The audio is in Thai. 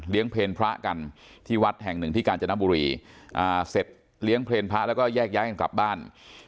เพลงพระกันที่วัดแห่งหนึ่งที่กาญจนบุรีเสร็จเลี้ยงเพลงพระแล้วก็แยกย้ายกันกลับบ้าน